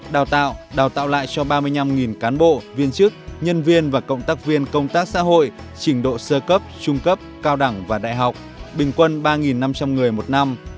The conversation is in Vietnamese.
đào tạo đào tạo lại cho ba mươi năm cán bộ viên chức nhân viên và cộng tác viên công tác xã hội trình độ sơ cấp trung cấp cao đẳng và đại học bình quân ba năm trăm linh người một năm